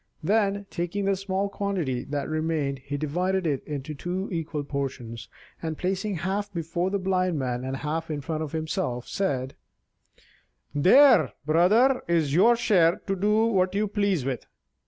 Then, taking the small quantity that remained, he divided it into two equal portions, and placing half before the Blind Man and half in front of himself, said: "There, brother, is your share to do what you please with."